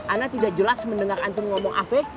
ana tidak jelas mendengar antum ngomong afe